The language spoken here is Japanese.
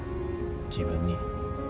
自分に。